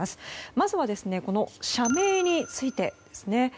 まずは、社名についてですね。